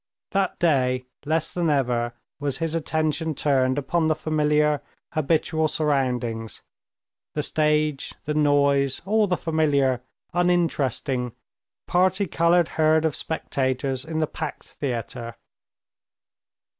That day less than ever was his attention turned upon the familiar, habitual surroundings, the stage, the noise, all the familiar, uninteresting, particolored herd of spectators in the packed theater.